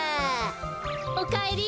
おかえり。